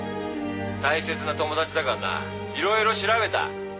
「大切な友達だからないろいろ調べた」